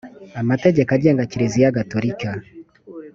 amategeko agenga kiliziya gatolika